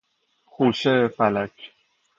خوشه فلک